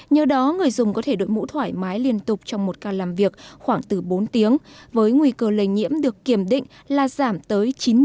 nhờ đó người dùng có thể đội mũ thoải mái liên tục trong một ca làm việc khoảng từ bốn tiếng với nguy cơ lây nhiễm được kiểm định là giảm tới chín mươi